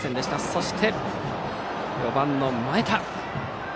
そして、４番の前田。